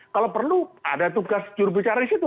kalau perlu ada tugas jurubicara di situ